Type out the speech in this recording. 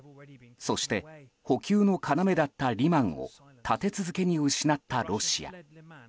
そして、補給の要だったリマンを立て続けに失ったロシア。